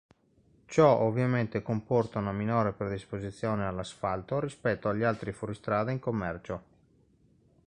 Ciò ovviamente comporta una minore predisposizione all'asfalto rispetto agli altri fuoristrada in commercio.